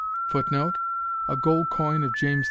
[Footnote: A gold coin of James V.